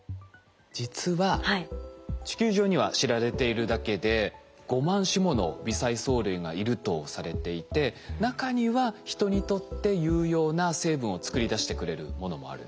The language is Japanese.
実は地球上には知られているだけで５万種もの微細藻類がいるとされていて中には人にとって有用な成分を作り出してくれるものもあるんです。